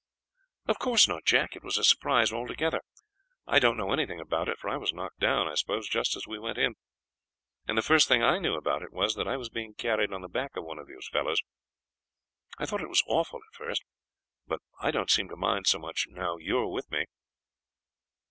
"Of course not, Jack; it was a surprise altogether. I don't know anything about it, for I was knocked down, I suppose, just as we went in, and the first thing I knew about it was that I was being carried on the back of one of those fellows. I thought it was awful at first, but I don't seem to mind so much now you are with me."